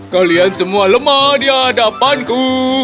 kalian semua lemah di hadapanku